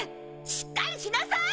しっかりしなさい！